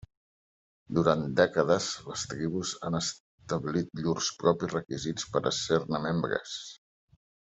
Durant dècades les tribus han establit llurs propis requisits per a ser-ne membres.